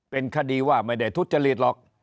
เป็นคดีว่าไม่ได้ทุจริตหรอก